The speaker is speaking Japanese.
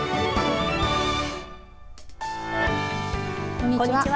こんにちは。